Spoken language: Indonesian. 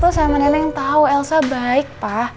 jessica tuh sama nenek tau elsa baik pa